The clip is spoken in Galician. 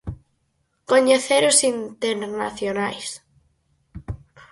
Coñecer os internacionais.